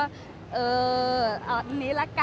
มันเป็นปัญหาจัดการอะไรครับ